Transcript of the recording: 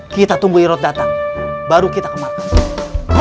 kita tunggu irot datang baru kita ke markas